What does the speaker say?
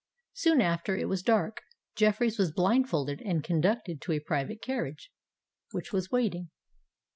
Soon after it was dark, Jeffreys was blindfolded and conducted to a private carriage, which was waiting.